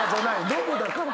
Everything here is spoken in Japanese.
ノブだから。